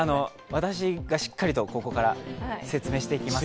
私がしっかりとここから説明していきます。